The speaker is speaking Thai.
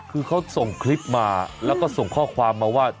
คือเขาส่งคลิปมาแล้วก็ส่งข้อความมาว่า